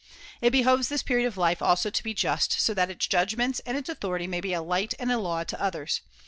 It behoves this period of life also to be just, so it. that its judgments and its ] authority may be a light and a law to others.